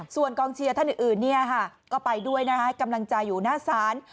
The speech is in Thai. ส่วนกองเชียร์ท่านอื่นก็ไปด้วยให้กำลังใจอยู่หน้าศาล